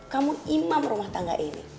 kamu imam rumah tangga ini